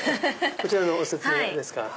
こちらのご説明ですか。